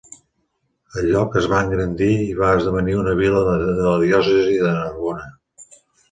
El lloc es va engrandir i va esdevenir una vila de la diòcesi de Narbona.